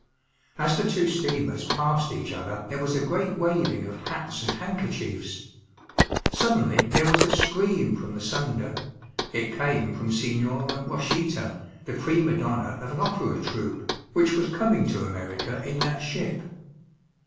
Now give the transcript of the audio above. As the two steamers passed each other there was a great waving of hats and handkerchiefs. Suddenly there was a scream from the Sunda. It came from Signora Rochita, the prima donna of an opera troupe, which was coming to America in that ship.